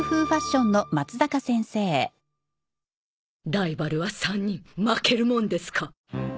ライバルは３人負けるもんですか！